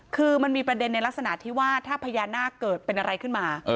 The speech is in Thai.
คือมันมีประเด็นในลักษณะที่ว่าถ้าพญานาคเกิดเป็นอะไรขึ้นมา